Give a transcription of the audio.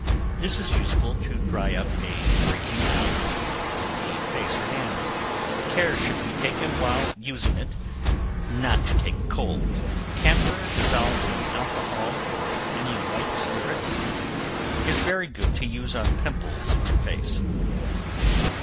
This is useful to dry up a breaking out on the face or hands; care should be taken while using it, not to take cold. Camphor dissolved in alcohol, or any white spirits, is very good to use on pimples on the face.